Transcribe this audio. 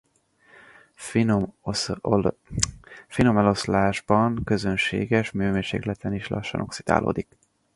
Finom eloszlásban közönséges hőmérsékleten is lassan oxidálódik.